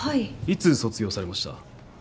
いつ卒業されました？